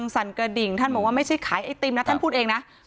สั่นกระดิ่งท่านบอกว่าไม่ใช่ขายไอติมนะท่านพูดเองนะ